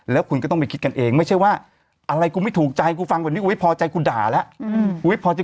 แล้วคุณก็ต้องไปคิดกันเองไม่ใช่ว่าอะไรกูไม่ถูกใจกูฟังแบบนี้กูไม่พอใจกูด่าแล้ว